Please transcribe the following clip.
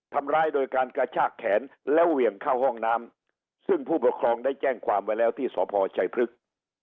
ทำร้ายโดยการกระชากแขนแล้วเหวี่ยงเข้าห้องน้ำซึ่งผู้ปกครองได้แจ้งความไว้แล้วที่สพชัยพฤกษ์